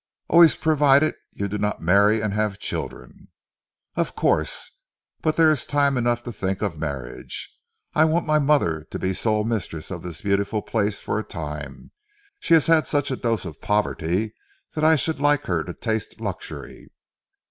"Always provided you do not marry and have children!" "Of course. But there is time enough to think of marriage. I want my mother to be sole mistress of this beautiful place for a time. She has had such a dose of poverty that I should like her to taste luxury."